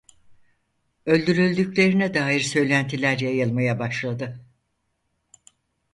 Öldürüldüklerine dair söylentiler yayılmaya başladı.